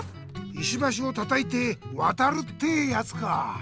「石ばしをたたいてわたる」ってぇやつかぁ！